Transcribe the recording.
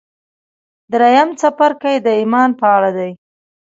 درېيم څپرکی د ايمان په اړه دی.